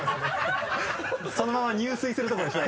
そのまま入水するとこでした。